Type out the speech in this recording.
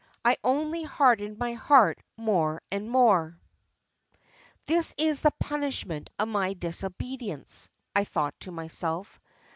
I only hardened my heart more and more. 'This is the punishment of my disobedience,' I thought to myself.